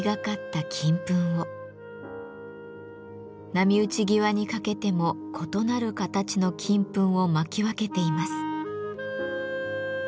波打ち際にかけても異なる形の金粉を蒔き分けています。